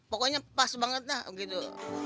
pokoknya pas banget dah gitu